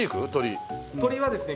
鶏はですね